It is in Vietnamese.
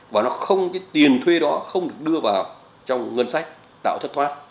và cái tiền thuê đó không được đưa vào trong ngân sách tạo thất thoát